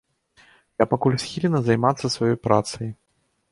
Я пакуль схілены займацца сваёй працай.